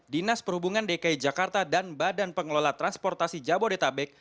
dinas perhubungan dki jakarta dan badan pengelola transportasi jabodetabek